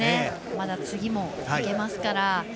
まだ次も行けますから。